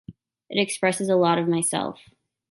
It expresses a lot of myself.